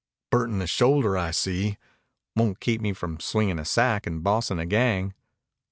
"Burnt in the shoulder, I see." "Won't keep me from swinging a sack and bossing a gang."